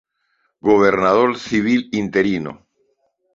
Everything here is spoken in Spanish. Gobernador Civil interino.